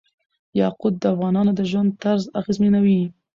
یاقوت د افغانانو د ژوند طرز اغېزمنوي.